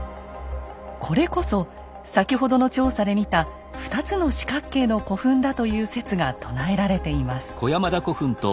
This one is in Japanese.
これこそ先ほどの調査で見た２つの四角形の古墳だという説が唱えられています。